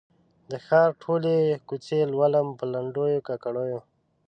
د ښار ټولي کوڅې لولم په لنډېو، کاکړیو